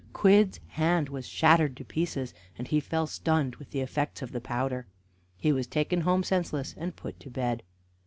Quidd's hand was shattered to pieces, and he fell stunned with the effects of the powder. He was taken home senseless, and put to bed.